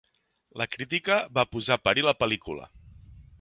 La crítica va posar a parir la pel·lícula.